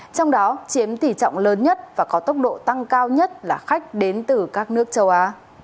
trong đó chiếm tỷ trọng lớn nhất và có tốc độ tăng cao nhất là khách đến từ các nước châu á